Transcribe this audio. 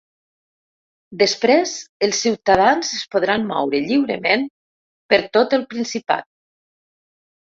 Després, els ciutadans es podran moure lliurement per tot el Principat.